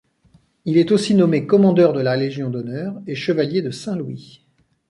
Il est aussi nommé commandeur de la Légion d'honneur et chevalier de Saint-Louis.